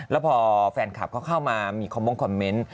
แล้วพอแฟนคลับเขาเข้ามามีคอมมงคอมเมนต์